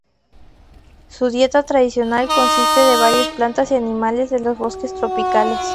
Su dieta tradicional consiste de varias plantas y animales de los bosques tropicales.